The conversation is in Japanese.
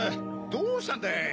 どうしたんでぇ？